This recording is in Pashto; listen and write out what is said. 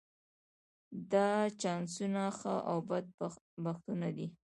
دا چانسونه ښه او بد بختونه دي.